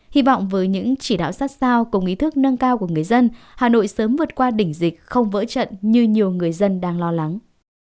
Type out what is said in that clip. hy vọng với những chỉ đạo sát sao cùng ý thức nâng cao của người dân hà nội sớm vượt qua đỉnh dịch không vỡ trận như nhiều người dân đang lo lắng